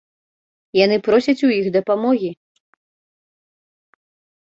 Яны просяць у іх дапамогі.